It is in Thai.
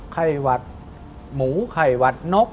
ไข้หวัดหมูไข่หวัดนก